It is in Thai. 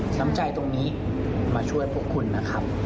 น้ำใจตรงนี้มาช่วยพวกคุณนะครับ